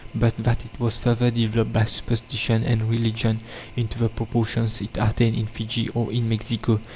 But that it was further developed by superstition and religion into the proportions it attained in Fiji or in Mexico.